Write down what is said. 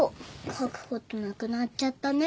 書くことなくなっちゃったね。